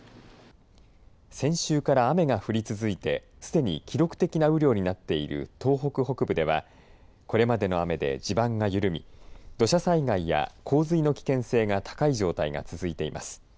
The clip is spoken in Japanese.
先週から雨が降り続いてすでに記録的な雨量になっている東北北部ではこれまでの雨で地盤が緩み土砂災害や洪水の危険性が高い状態が続いています。